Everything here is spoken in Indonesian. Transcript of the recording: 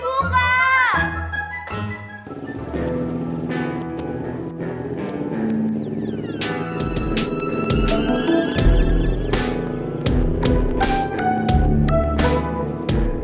overlap will always die hai tem jaduanti ob tapa ap